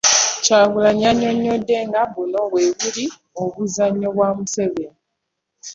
Kyagulanyi yannyonnyodde nga buno bwe buli obuzannyo bwa Museveni